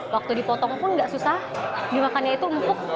waktu dipotong pun gak susah dimakannya itu umpuk